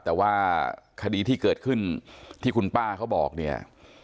แต่ว่าคดีที่เกิดขึ้นที่คุณป้าเขาบอกเนี่ย